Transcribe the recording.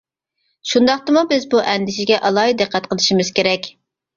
شۇنداقتىمۇ بىز بۇ ئەندىشىگە ئالاھىدە دىققەت قىلىشىمىز كېرەك.